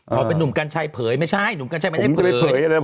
พอเป็นนุ่มกัญชัยเผยไม่ใช่หนุ่มกัญชัยไม่ได้เผย